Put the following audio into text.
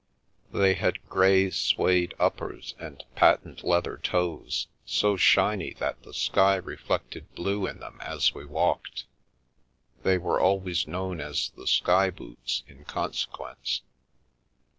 They had grey, suede uppers and patent leather toes, so shiny that the sky reflected blue in them as we walked. They were always known as the " sky boots," in consequence.